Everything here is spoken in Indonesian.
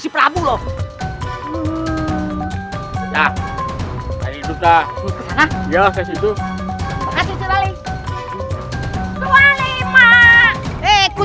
selasi selasi bangun